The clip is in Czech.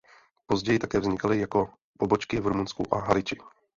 Později také vznikaly jeho pobočky v Rumunsku a Haliči.